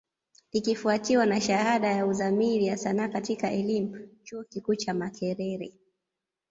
Ikifwatiwa na shahada ya Uzamili ya Sanaa katika elimu, chuo kikuu cha Makerere.